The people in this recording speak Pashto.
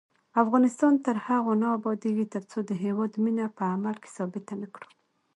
افغانستان تر هغو نه ابادیږي، ترڅو د هیواد مینه په عمل کې ثابته نکړو.